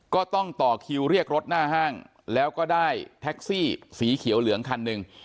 ก็ต้องต่อคิวเรียกรถหน้าห้างแล้วก็ได้แท็กซี่สีเขียวเหลืองคันหนึ่ง